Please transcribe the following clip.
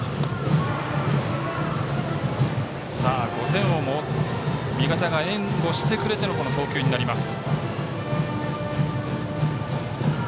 ５点を味方が援護してくれての投球になります。